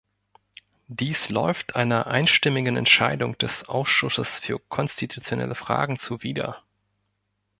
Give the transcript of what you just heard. Dies läuft einer einstimmigen Entscheidung des Ausschusses für konstitutionelle Fragen zuwider.